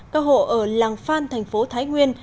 các hộ ở làng phan thành phố thái nguyên